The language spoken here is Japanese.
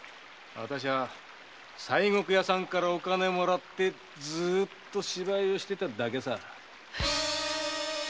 私は西国屋さんからお金をもらってずっと芝居をしていただけさ。